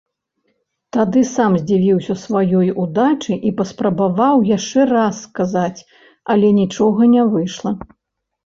Тады сам здзівіўся сваёй удачы і паспрабаваў яшчэ раз сказаць, але нічога не выйшла.